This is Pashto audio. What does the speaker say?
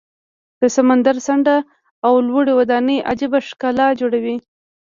د سمندر څنډه او لوړې ودانۍ عجیبه ښکلا جوړوي.